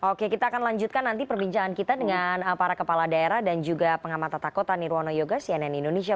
oke kita akan lanjutkan nanti perbincangan kita dengan para kepala daerah dan juga pengamatan takut tanirwono yoga cnn indonesia